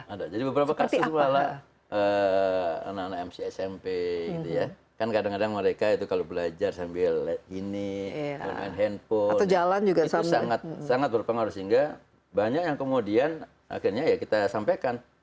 ada jadi beberapa kasus malah anak anak mc smp kan kadang kadang mereka itu kalau belajar sambil ini dengan handphone jalan juga sangat berpengaruh sehingga banyak yang kemudian akhirnya ya kita sampaikan